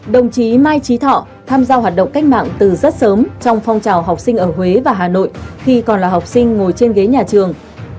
đồng chí mai trí thọ tham gia hoạt động cách mạng từ rất sớm trong phong trào học sinh ở huế và hà nội khi còn là học sinh ngồi trên ghế nhà trường